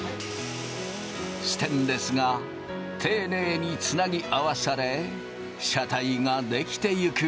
ステンレスが丁寧につなぎ合わされ車体が出来ていく。